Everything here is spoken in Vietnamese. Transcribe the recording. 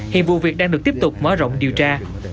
hiện vụ việc đang được tiếp tục mở rộng điều tra